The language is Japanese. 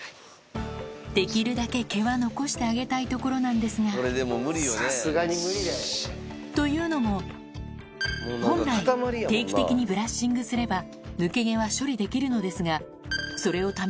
できるだけ毛は残してあげたいところなんですがというのも本来定期的にブラッシングすれば抜け毛は処理できるのですがそれをため込んでしまったため